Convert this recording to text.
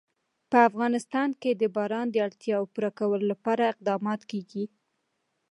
په افغانستان کې د باران د اړتیاوو پوره کولو لپاره اقدامات کېږي.